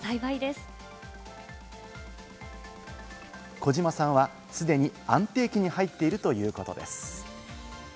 小島さんは既に安定期に入っているということです。